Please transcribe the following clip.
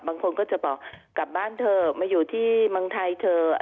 บางคนก็จะบอกกลับบ้านเถอะมาอยู่ที่เมืองไทยเถอะ